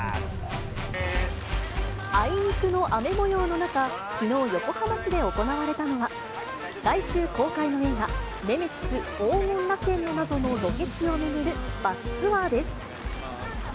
あいにくの雨もようの中、きのう、横浜市で行われたのは、来週公開の映画、ネメシス黄金螺旋の謎のロケ地を巡るバスツアーです。